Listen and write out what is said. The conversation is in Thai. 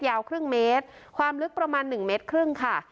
ยาวครึ่งเมตรความลึกประมาณ๑เมตรครึ่งค่ะ